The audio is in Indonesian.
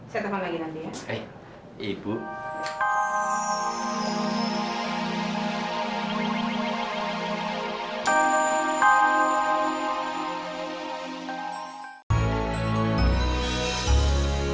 saya tambah lagi nanti ya